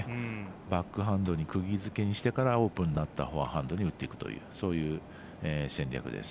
バックハンドにくぎ付けにしてからオープンになったフォアハンドに打っていくというそういう戦略です。